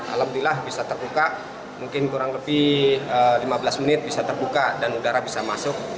alhamdulillah bisa terbuka mungkin kurang lebih lima belas menit bisa terbuka dan udara bisa masuk